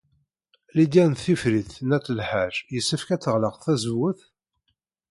Lidya n Tifrit n At Lḥaǧ yessefk ad teɣleq tazewwut?